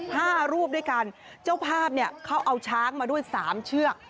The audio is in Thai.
ห้ารูปด้วยกันเจ้าภาพเนี่ยเขาเอาช้างมาด้วยสามเชือก